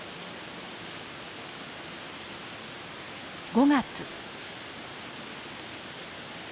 ５月。